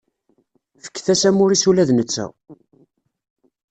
Fket-as amur-is ula d netta.